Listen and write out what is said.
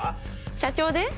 社長です。